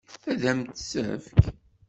Ad m-tt-tefk?